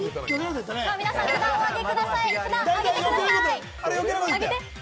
皆さん、札を上げてください！